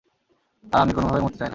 আর আমি, কোনোভাবেই মরতে চাই না।